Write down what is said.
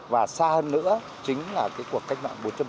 và xa hơn nữa chính là cái cuộc cách mạng bốn